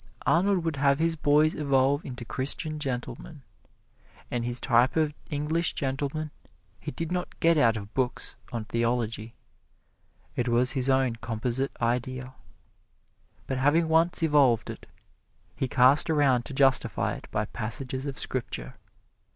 Arnold would have his boys evolve into Christian gentlemen. And his type of English gentleman he did not get out of books on theology it was his own composite idea. But having once evolved it, he cast around to justify it by passages of Scripture.